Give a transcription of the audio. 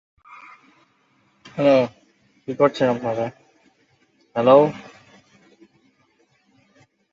পূর্বে এটি বাকু শহরের বিনা আন্তর্জাতিক বিমানবন্দর নামে পরিচিত ছিল।